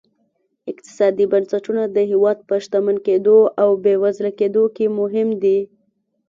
اقتصادي بنسټونه د هېواد په شتمن کېدو او بېوزله کېدو کې مهم دي.